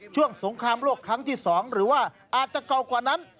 สงครามโลกครั้งที่๒หรือว่าอาจจะเก่ากว่านั้น